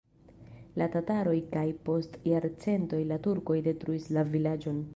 La tataroj kaj post jarcentoj la turkoj detruis la vilaĝon.